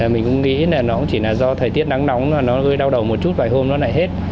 mình cũng nghĩ là nó cũng chỉ là do thời tiết nắng nóng nó đau đầu một chút vài hôm nó lại hết